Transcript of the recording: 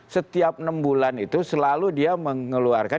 setiap enam bulan itu selalu dia mengeluarkan